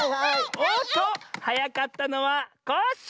おっとはやかったのはコッシー！